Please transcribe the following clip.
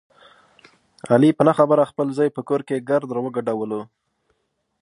علي په نه خبره خپل زوی په کور کې ګرد را وګډولو.